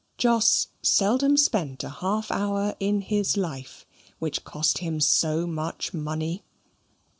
Jos seldom spent a half hour in his life which cost him so much money.